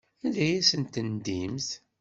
Anda ay asent-tendimt?